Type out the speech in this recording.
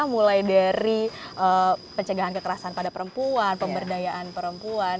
mulai dari pencegahan kekerasan pada perempuan pemberdayaan perempuan